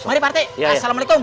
mari pak rt assalamualaikum